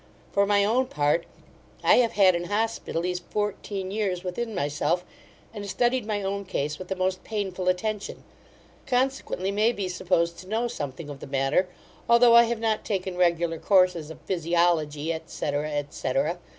For my own part, I have had an hospital these fourteen years within myself, and studied my own case with the most painful attention; consequently may be supposed to know something of the matter, although I have not taken regular courses of physiology et cetera et cetera.